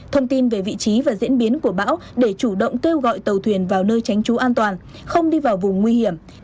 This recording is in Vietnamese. thông tin về vị trí và diễn biến của bão để chủ động kêu gọi tàu thuyền vào nơi tránh trú an toàn không đi vào vùng nguy hiểm